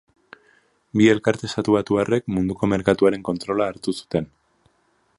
Bi elkarte estatubatuarrek munduko merkatuaren kontrola hartu zuten.